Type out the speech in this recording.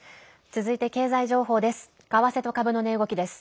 続いて経済情報です。